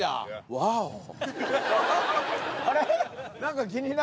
あれ？